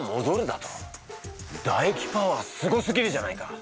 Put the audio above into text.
だ液パワーすごすぎるじゃないか。